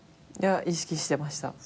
意識してました。